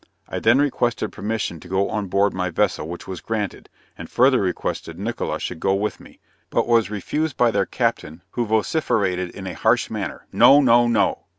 I then requested permission to go on board my vessel which was granted, and further requested Nickola should go with me, but was refused by the captain, who vociferated in a harsh manner, "No, No, No."